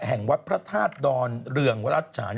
แห่งวัดพระธาตุดรเรืองวทรัทธาตุ